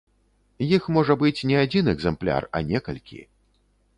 Іх можа быць не адзін экзэмпляр, а некалькі.